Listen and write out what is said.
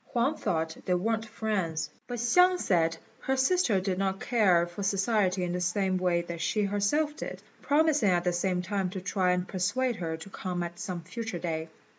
Huang thought they weren't friends, but Hsiang said her sister did not care for society in the same way that she herself did, promising at the same time to try and persuade her to come at some future day.